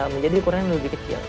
menjadi ukurannya lebih kecil